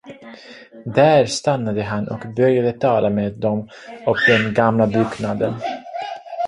Där stannade han och började tala med dem om den gamla byggnaden.